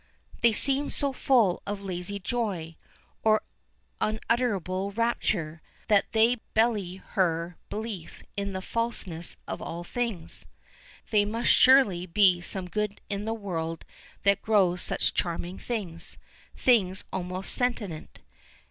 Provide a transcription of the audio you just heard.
They seem so full of lazy joy, or unutterable rapture, that they belie her belief in the falseness of all things. There must surely be some good in a world that grows such charming things things almost sentient.